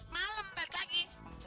malem balik lagi